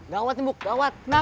gawat nih buk gawat